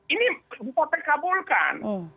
ini juga terkabulkan